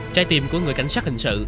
trái tim của người cảnh sát hình sự